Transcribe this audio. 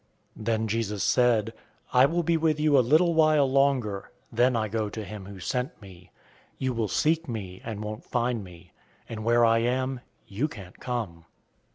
007:033 Then Jesus said, "I will be with you a little while longer, then I go to him who sent me. 007:034 You will seek me, and won't find me; and where I am, you can't come."